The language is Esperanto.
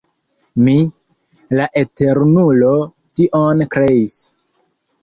Mi, la Eternulo, tion kreis.